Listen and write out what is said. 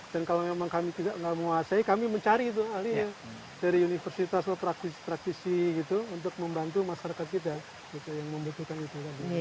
dan kalau memang kami tidak menguasai kami mencari itu ahli dari universitas atau praktisi praktisi gitu untuk membantu masyarakat kita yang membutuhkan itu